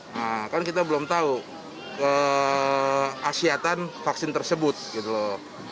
nah kan kita belum tahu ke asiaatan vaksin tersebut gitu loh